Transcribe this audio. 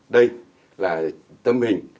đây là tâm hình